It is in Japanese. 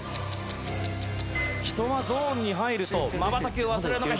人はゾーンに入るとまばたきを忘れるのか。